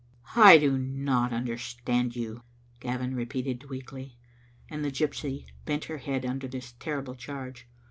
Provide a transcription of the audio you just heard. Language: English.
"I do not understand you," Gavin repeated weakly, and the gypsy bent her head under this terrible charge.